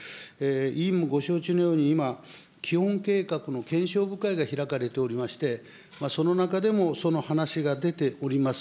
委員もご承知のように、今、基本計画の検証部会が開かれておりまして、その中でも、その話が出ております。